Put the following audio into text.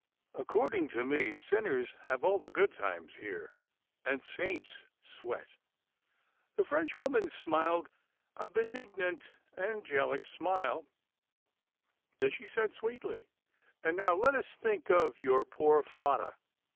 Ac cording to me, sinners have the good times here, and saints sweat/' The Frenchwoman smiled a benignant, angelic smile, then she said sweetly, " And now let us think of your poor fathah.